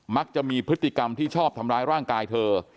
มักจะมีพฤติกรรมที่ชอบทำร้ายร่างกายเธอ